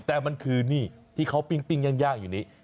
แต่มันคือนี่ที่เขาปิ้งย่างอยู่นี้